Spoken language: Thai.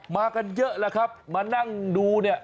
มากันเยอะแล้วครับมานั่งดูเนี่ย